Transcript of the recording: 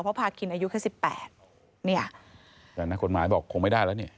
เพราะพาคินอายุแค่สิบแปดเนี่ยแต่นักกฎหมายบอกคงไม่ได้แล้วเนี่ย